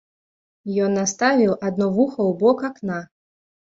Ён наставіў адно вуха ў бок акна.